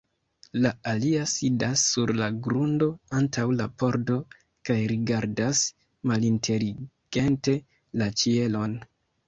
La alia sidas sur la grundo antaŭ la pordo kaj rigardas malinteligente la ĉielon.